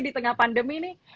di tengah pandemi nih